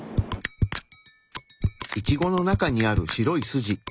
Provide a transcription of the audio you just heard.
イチゴの中にある白い筋。